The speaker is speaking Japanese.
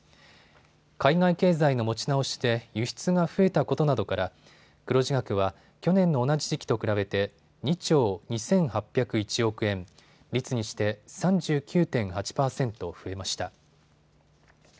海外経済が持ち直して輸出が増えたことなどから黒字額は去年の同じ時期と比べて２兆２８０１億円、率にして３９．８％増えました。